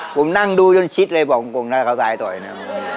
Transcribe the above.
ผมนั่งดูจนชิดเลยบอกกงหน้าเขาซ้ายต่อยนะ